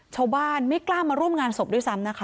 ชาวบ้านไม่กล้ามาร่วมงานศพด้วยซ้ำนะคะ